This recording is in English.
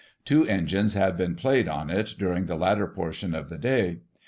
Two engines had been playing on it during the latter portion of the day.